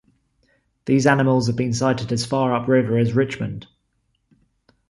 These animals have been sighted as far upriver as Richmond.